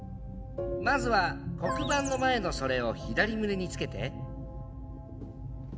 まずは黒板の前のそれを左胸につけて。